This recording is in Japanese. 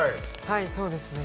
はいそうですね